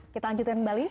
kita lanjutkan kembali